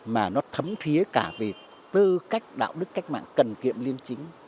mà nó thấm thiế cả về tư cách đạo đức cách mạng cần kiệm liêm chính